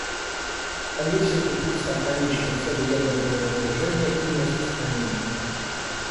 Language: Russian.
Они все пекутся о конечной цели ядерного разоружения и нераспространения.